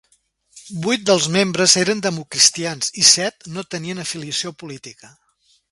Vuit dels membres eren democristians i set no tenien afiliació política.